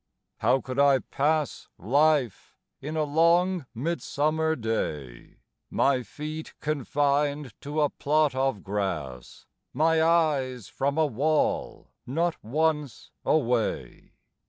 How I could pass Life in a long midsummer day, My feet confined to a plot of grass, My eyes from a wall not once away!